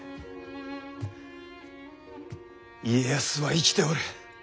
家康は生きておる。